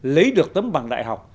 lấy được tấm bằng đại học